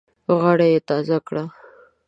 غاړه یې تازه کړه.